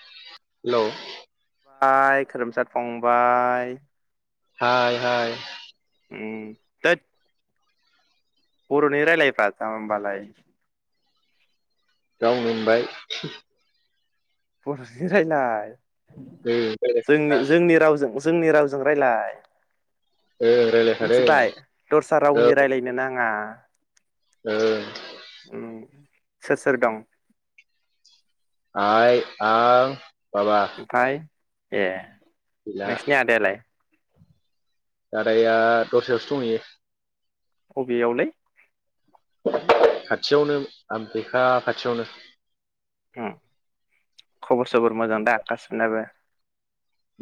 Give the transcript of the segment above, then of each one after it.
हेल' हाय खोरोमसाार फंबाय। हाय हाय उम थैद ब'र नि रायलायबा जामबालाय। गावनो होनबाय। बर'नि रायलाय ओं रायलायखादोंना जोंनि जोंनि रावजों जोंनि रावजों रायजलाय ओं रायलायखादों मिथिबाय दस्रा रावनि राय्लायनो नाङा। [inaudible] ओ उम सोर सोर दं? आइ, आं बाबा। ओमफाय ए नोंसिनि आदायालाय? दादाया दस्रायावसो दंहैयो। बबेयावलै? खाथियावनो आमबेका खाथियावनो। उम खबर सबर मोजां दा गासिबनाबो?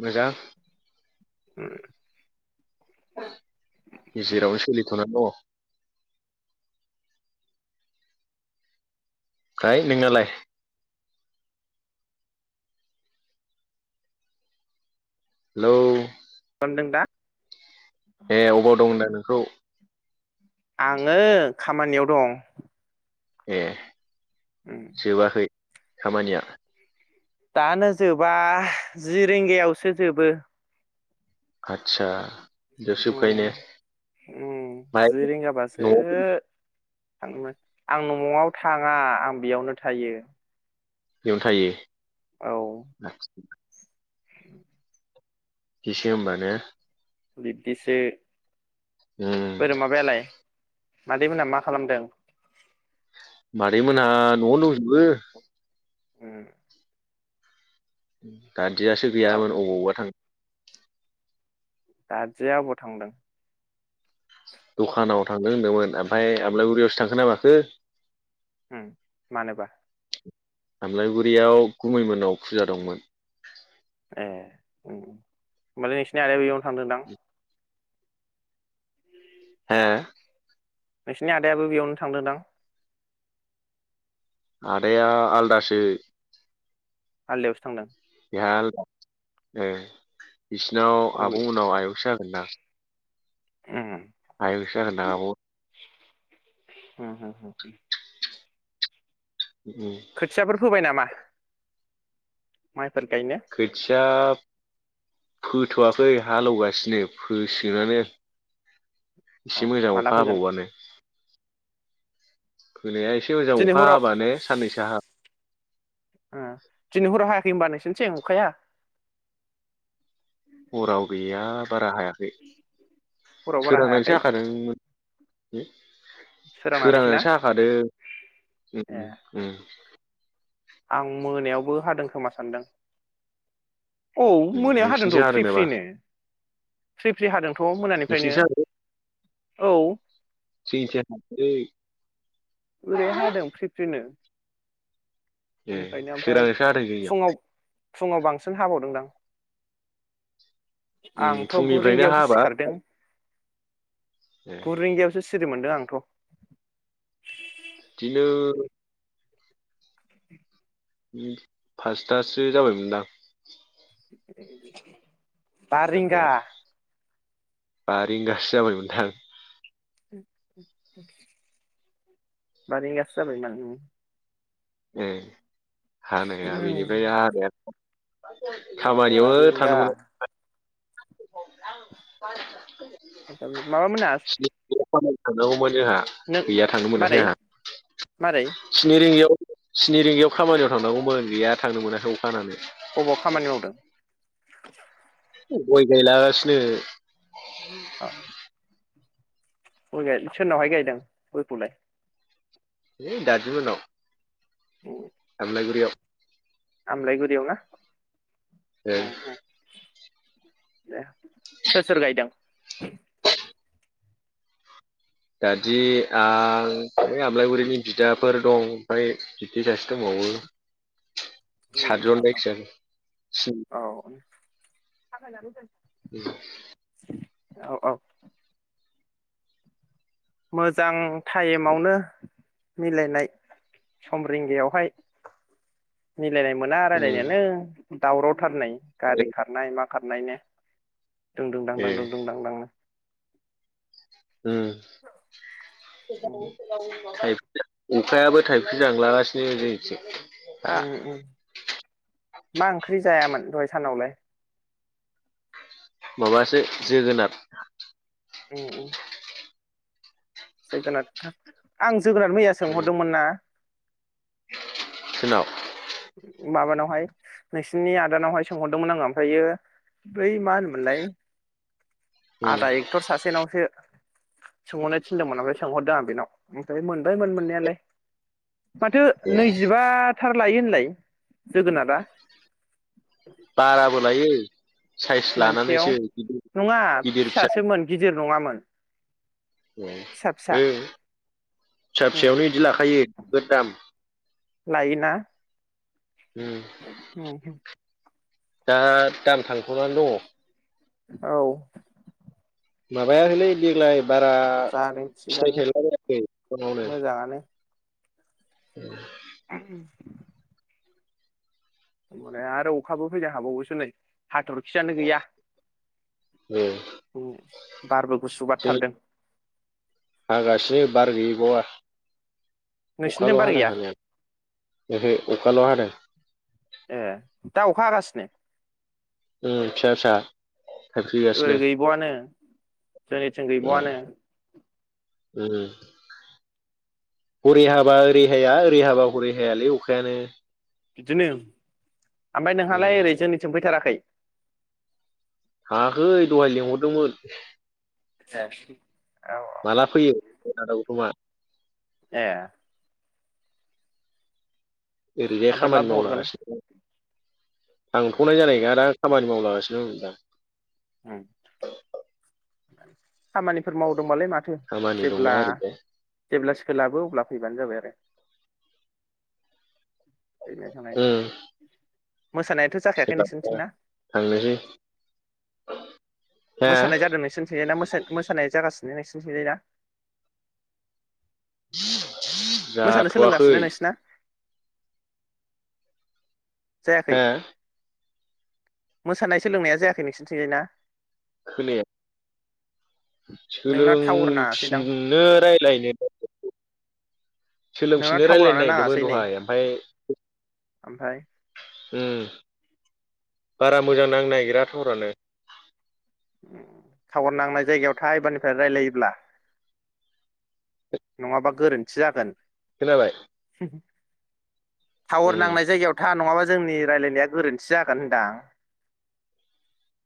मोजां। उम जेरावनो सोलिथ'नानै दङ। ओमफ्राय नोंनालाय? हेलौ दों दा? ए अबाव दं दा नों? खौ आङो खामानियाव दं। ए उम जोबाखै? खामानिया दानो जोबा जि रिंगायावसो जोबो। आतसा सो जोबखायो उम ने उम माहाय न'आव। थांनो मोनो, आं न'आव थाङा आं बेयावनो थायो। बेयावनो औ थायैयो। [inaudible] बिदिसो होनबा ने? बिदिसो। उम बोरो माबायालाय? मादै मोनहा मा खालामदों? मादै मोनहा न'आव दंजोबो। [inaudible] उम [unintelligible] दादियासो माबा गैयामोन अबावबा थां दादिया अबाव थांदों? दखानाव थांदों होनदोंमोन आमफाय आमलायगुरियावसो थांखो ना माखो। होम मानोबा? आमलायगुरियाव गुमैमोननाव फुजा दंमोन ए‌ उम होमबालाय नोंसिनि आदाया बेयाव थांदोंदां? हो नोंसिनि आदायाबो बेयावनो थांदोंदां? आदाया आलदासो आलदायावसो थांदों आ ओ बिसोरनाव अबे आब' मोननाव आयंसो होना उम नोंसो जागोनदां आब हुम हुम हुम उम खोथियाफोर फोबाय नामा? गायनो खोथिया फोथ'वाखै हालेवगासिनो फोसिगोनानो अ एसे मोजां माला अखा फोगोन हाबावबानो [unintelligible] होनाया एसे मोजां दिनै अखा हराव हाबानो साननैसो हा ओ दिनै हराव हायाखै होनबा नोंसोरनिथिं अखाया? हराव गैया बारा हाया हराव बारा सोरांनानैसो हायाखै हाखादों [inaudible] सोरांनानैसो ना सोरांनासो हाखादो ए आं मोनायावबो हादों खोमा सानदों औ ए मोनायाव नोंसिनिथिं हादोंथ' हादों फ्रि नामा फ्रिनो फ्रि फ्रि हादों थ' मोनानिफ्रायनो नोंसिनिथिं हादों औ जोंनिथिं हायाखै ओरै हादों फ्रि फ्रिनो ए सोरांनासो हादों जोंनिजा फुंङाव बांसिन हाबावदोंदां। उम आंथ' गु फुंनिफ्रायनो रिंगायावसो हाबाय। सिखारदों ए गु रिंगायावसो सिरि मोनदों आं। [unintelligible] दिनो उम पास्तासो जाबायमोनदां। [inaudible] बा हानाया रिंगा। बा रिंगासो जाबायमोनदां। बा रिंगासो जाबायमोन उम। ए हानाया बेनिफ्राय उम हानाया बा खामानियावनो रिंगा थांनोमोना [unintelligible] माबामोना स [unintelligible] थांनांगौमोन जोंहा गैया थांनो मोनाखै मारै आंहा मारै स्नि रिंगायाव स्नि रिंगायाव खामानियाव थांनांगौमोन गैया थांनो मोनाखै अ हानानै। अबाव खामानि मावदों [inaudible] गय गायलागासिनो। गय गायदों। सोरनावहाय गायदों गयखौलाय? ऐ दादि मोननाव। [inaudible] आमलाइगुरियाव। आमलाइगुरियाव ना? [unintelligible] ए सोर सोर गायदों? दादि आं ऐ आमलाइगुरिनि बिदाफोर दं ओमफ्राय [unintelligible] दंबावो साद जन जायखिजाया स्नि थाबायनानै फै। [inaudible] औ औ। मोजां टाइमावनो मिलायनाय सम रिंगायावहाय। रायज्लायनो मोना उम रायज्लायनोनो दावरावथार नै गारि खारनाय मा खारनाय नो। दुं दुं दां ए दां दुं दुं दां दां [inaudible] उम [unintelligible] थाइ अखायाबो थाइफसे जांलागासिनो जों थिं उम उम मा ओंख्रि जायामोन दहाय सानावलाय? माबासो जोगोनार उम उम जोगोनार [unintelligible] आं जोगोनार मैया उम सोंहरदोंमोन ना? [unintelligible] माबानावहाय नोंसिनि आदानावहाय सोंहरदोंमोन आङो ओमफायो बै मा होनोमोनलाय? उम आदा एक्ट'र सासे नावसो सोंहरनो थिनदोंमोन ओमफ्राय सोंहरदों आं बेनाव ओमफ्राय मोनबाय मोन मोननायालाय माथो ए नैजिबा थार लायो होनलाय? जोगोनाद आ बाराबो लायो साइज मोनसेयाव लानानैसो गिदिर नङा गिदिर फिसासोमोन गिदिर नङामोन अ फिसा फिसा ए [inaudible] फिसा उम फिसायावनो इदि लाखायो नोगोद दाम लायोना? उम [inaudible] दा दाम थांथ'नानै दङ औ माबाया लै देग्लाय बारा जादों फिथाइ थिगानो थायलाबायायाखै बिफांआवनो मोजाङानो होमबालाय आरो अखाबो फैनो हाबावगौसो नै हाथरखियानो गैया नै बारबो गुसु जै बारथारदों हागासिनो बार गै बावा अखाल' नोंसिनिथिं बार हादों गैया हानाया ओहो अखाल' हादों ए दा अखा हागासिनो? ओम फिसा फिसा ओरै थाइफ्रिगासिनो गैबावआनो जोंनिथिं गैबावआनो औ हरै हाबा ओरै हाया ओरै हाबा हरै हायालै अखायानो बिदिनो ओमफ्राय उम नोंहालाय ओरै जोंनिथिं फैथाराखै थांआखै दहाय लिंहरदोंमोन ए औ माला फैयो आदा गौथुमा? ए ओरैजाय ओमफ्राय मा खामानि बुंहरखो मावलागासिनो नों थांथ'नाय जानाय नोङा दां खामानि मावलगासिनो होनहरदोंदा उम खामानिफोर मावदोंबालाय माथो खामानि दंना जेब्ला ओरैजाय जेब्ला सोलाबो अब्ला फैबानो जाबाय आरो [inaudible] उम [unintelligible] मोसानायाथ' जाखायाखै सोलाबबा नोंसोरनिथिंना? थांनोसै हा मोसानाय जादों नोंसोरनिथिंजाय ना मोसानाय मोसानाया जागासिनो नोंसिनिथिंजायना [inaudible] जाथ'वाखै नोंसिना हा जायाखै मोसानाय सोलोंनाया जायाखै नोंसोरथिंजाय ना? खोनाया नोंना टावार नाङासैदां सोलोंफिननो रायलायनो नोंना सोलोंफिननो रायलायनो टावारानो नागिरदोंमोन नाङासै नै दहाय ओमफाय ओमफ्राय उम बारा मोजां नांनो नागिरा थावारानो थावार नांनाय जायगायाव था एबारनिफ्राय रायलायोब्ला नङाबा गोरोन्थि जागोन खोनाबाय [inaudible] थावार उम नांनाय जायगायाव था नङाबा जोंनि रायजलायनाया गोरोन्थि जागोन होनदां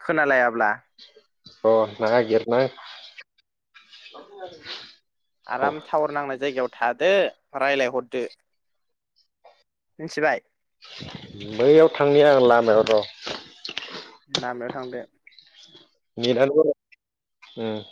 खोनालायाब्ला अ नायगेर नां आराम थावर नांनाय जायगायाव थादो रायलायहरदो मोनथिबाय बैयाव थांनि आं लामायाव र' लामायाव थां दे नेतआनो [unintelligible]